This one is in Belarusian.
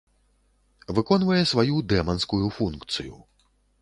Выконвае сваю дэманскую функцыю.